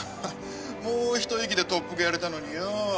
もう一息で特服やれたのによぉ。